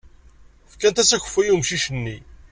Fkant-as akeffay i umcic-nni.